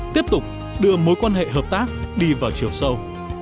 tiếp tục đưa mối quan hệ hợp tác đi vào chiều sâu